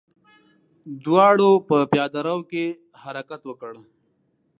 دواړو په پياده رو کې حرکت وکړ.